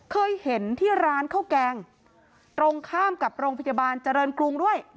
เคยเห็นที่ร้านข้าวแกงตรงข้ามกับโรงพยาบาลเจริญกรุงด้วย